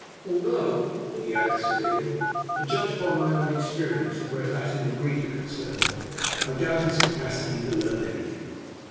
"Although," he added severely, "to judge by my own experience where Latin and Greek are concerned, I doubt his capacity to learn anything."